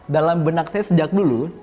dalam benak saya sejak dulu